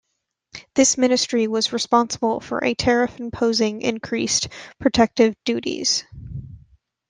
This ministry was responsible for a tariff imposing increased protective duties.